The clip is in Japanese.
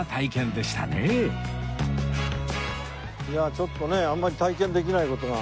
ちょっとねあんまり体験できない事が。